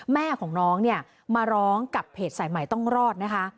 แม่ของน้องเนี่ยมาร้องกับเพจสายใหม่ต้องรอดนะคะ